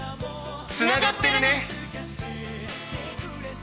つながってるね！